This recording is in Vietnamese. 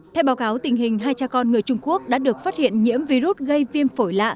theo báo cáo tình hình hai cha con người trung quốc đã được phát hiện nhiễm virus gây viêm phổi lạ